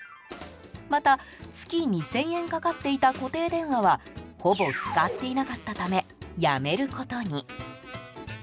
また、月２０００円かかっていた固定電話はほぼ使っていなかったためやめることに。